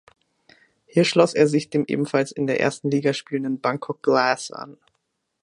Hier schloss er sich dem ebenfalls in der ersten Liga spielenden Bangkok Glass an.